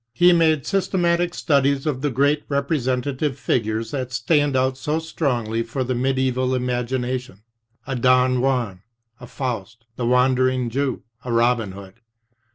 He made systematic studies of the great representative figures that stand out so strongly for the medieval imagination: a Don Juan, a Faust, The Wander ing Jew, a Robin Hood.